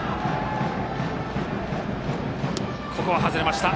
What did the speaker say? ここは外れました。